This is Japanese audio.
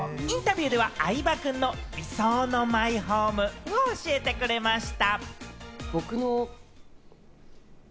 インタビューでは相葉君の理想のマイホームを教えてくれました。